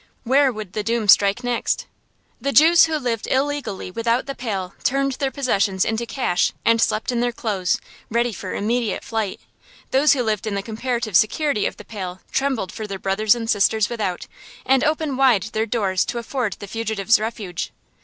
Where would the doom strike next? The Jews who lived illegally without the Pale turned their possessions into cash and slept in their clothes, ready for immediate flight. Those who lived in the comparative security of the Pale trembled for their brothers and sisters without, and opened wide their doors to afford the fugitives refuge.